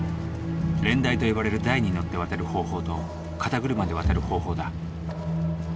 「れん台」と呼ばれる台に乗って渡る方法と肩車で渡る方法だ。